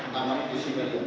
maaf itu simpan